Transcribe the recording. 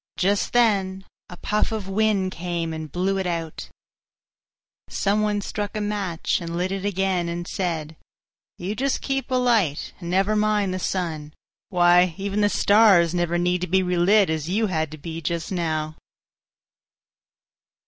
Just then a puff of wind came and blew it out. Some one struck a match and lit it again, and said, "You just keep alight, and never mind the sun. Why, even the stars never need to be relit as you had to be just now."